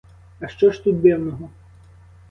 А що ж тут дивного?